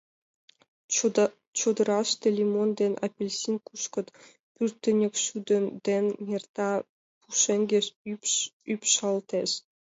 Чодыраште лимон ден апельсин кушкыт, пӱртньык шудо ден мирта пушеҥге ӱпш ӱпшалтеш.